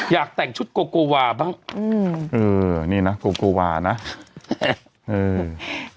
อยากแต่งชุดโกโกวาบ้างอืมเออนี่นะโกโกวานะเออ